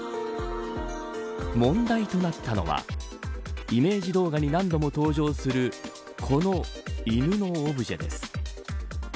問題となったのはイメージ動画に何度も登場するこの犬のオブジェです。